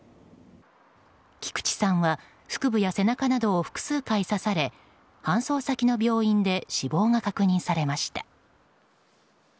菊地さんは腹部や背中などを複数回刺され搬送先の病院で死亡が確認されました。